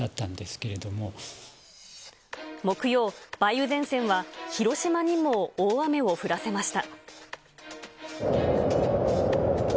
けれ木曜、梅雨前線は広島にも大雨を降らせました。